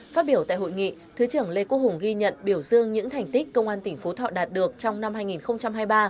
phát biểu tại hội nghị thứ trưởng lê quốc hùng ghi nhận biểu dương những thành tích công an tỉnh phú thọ đạt được trong năm hai nghìn hai mươi ba